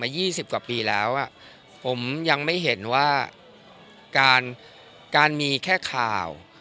ยี่สิบกว่าปีแล้วอ่ะผมยังไม่เห็นว่าการการมีแค่ข่าว